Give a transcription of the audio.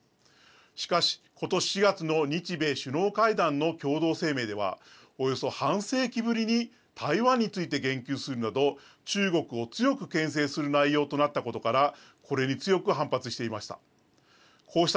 しかし、ことし４月の日米首脳会談の共同声明では、およそ半世紀ぶりに台湾について言及するなど、中国を強くけん制する内容となったことから、これに強く反発していました。